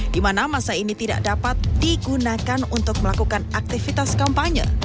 di mana masa ini tidak dapat digunakan untuk melakukan aktivitas kampanye